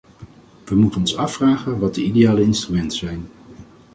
We moeten ons afvragen wat de ideale instrumenten zijn.